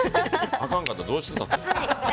あかんかったらどうしてたんですか。